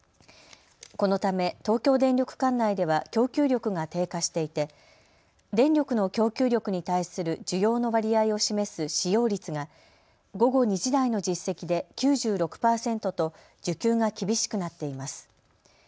このため、東京電力管内では供給力が低下していて電力の供給力に対する需要の割合を示す使用率が午後２時台の実績で９６％と需給が厳しくなっています。